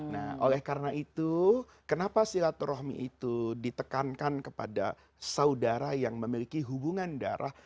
nah oleh karena itu kenapa silaturahmi itu ditekankan kepada saudara yang memiliki hubungan darah